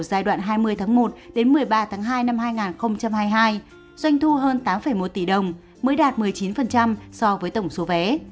giai đoạn hai mươi một một mươi ba hai hai nghìn hai mươi hai doanh thu hơn tám một tỷ đồng mới đạt một mươi chín so với tổng số vé